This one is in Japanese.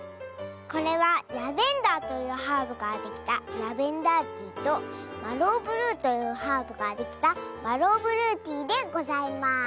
これはラベンダーというハーブからできた「ラベンダーティー」とマローブルーというハーブからできた「マローブルーティー」でございます。